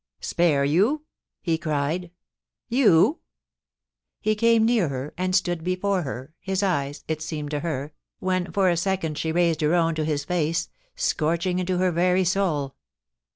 * Spare you !' he cried ... ^youf ...' He came near her, and stood before her, his eyes — it seemed to her, when for a second she raised her own to his face — scorching into her very soul.